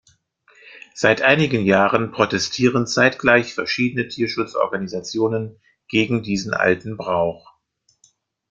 Seit einigen Jahren protestieren zeitgleich verschiedene Tierschutzorganisationen gegen diesen alten Brauch.